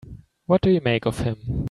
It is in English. What do you make of him?